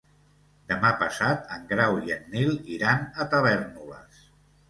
Demà passat en Grau i en Nil iran a Tavèrnoles.